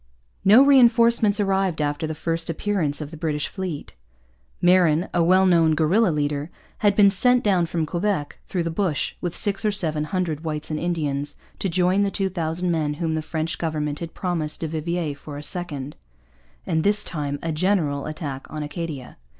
No reinforcements arrived after the first appearance of the British fleet. Marin, a well known guerilla leader, had been sent down from Quebec, through the bush, with six or seven hundred whites and Indians, to join the two thousand men whom the French government had promised du Vivier for a second, and this time a general, attack on Acadia.